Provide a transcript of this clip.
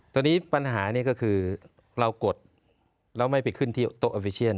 ตอนนี้ปัญหานี่ก็คือเรากดแล้วไม่ไปขึ้นที่โต๊ะออฟฟิเชียน